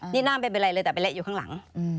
นี่หน้าไม่เป็นไรเลยแต่ไปเละอยู่ข้างหลัง